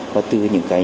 và từ những cái